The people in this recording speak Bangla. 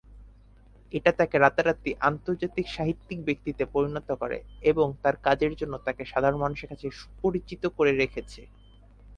এটা তাকে রাতারাতি আন্তর্জাতিক সাহিত্যিক ব্যক্তিতে পরিণত করে, এবং তার কাজের জন্য তাকে সাধারণ মানুষের কাছে সুপরিচিত করে রেখেছে।